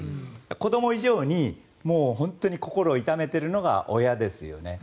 子ども以上に心を痛めているのが親ですよね。